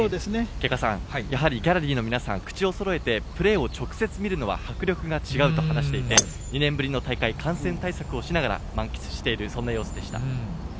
外賀さん、やはりギャラリーの皆さん、口をそろえて、プレーを直接見るのは迫力が違うと話していて、２年ぶりの大会、感染対策をしながら、満喫している、そんな様子でした。